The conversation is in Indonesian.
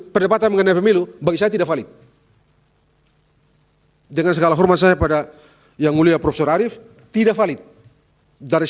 perdebatan mengenai pemilu bagi saya tidak valid dengan segala hormat saya pada yang mulia prof arief tidak valid dari